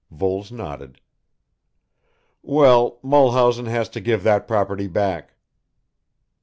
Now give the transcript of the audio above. Voles nodded. "Well, Mulhausen has to give that property back."